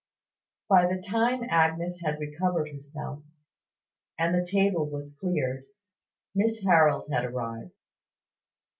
By the time Agnes had recovered herself, and the table was cleared, Miss Harold had arrived.